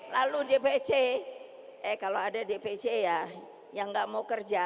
lalu dpc eh kalau ada dpc ya yang nggak mau kerja